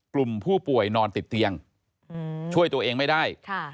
กลุ่มผู้ป่วยนอนติดเตียงช่วยตัวเองไม่ได้